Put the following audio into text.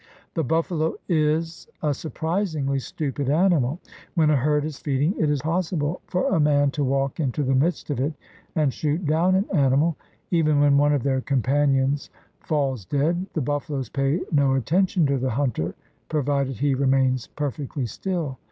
"' The buffalo is a surprisingly stupid animal. When a herd is feeding it is possible for a man to walk into the midst of it and shoot down an animal. Even when one of their companions falls dead, the buffaloes pay no attention to the hunter provided he remains perfectly still.